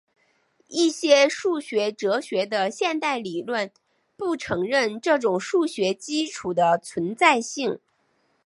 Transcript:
一些数学哲学的现代理论不承认这种数学基础的存在性。